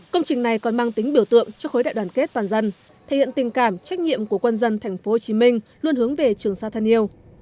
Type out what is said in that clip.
công trình này còn mang tính biểu tượng cho khối đại đoàn kết toàn dân thể hiện tình cảm trách nhiệm của quân dân tp hcm luôn hướng về trường sa thân yêu